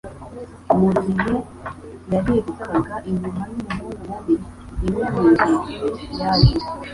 Mu gihe yarirukaga inyuma y'umuhungu mubi, imwe mu nkweto ye yaje.